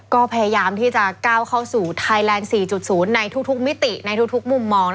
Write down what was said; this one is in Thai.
ก็พยายามที่จะก้าวเข้าสู่ไทยแลนด์๔๐ในทุกมิติในทุกมุมมอง